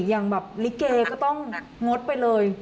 อย่างแบบลิเกก็ต้องงดไปเลย